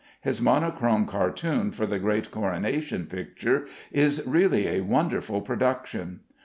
His monochrome cartoon for the great coronation picture is really a wonderful production.